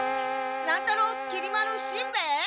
乱太郎きり丸しんべヱ！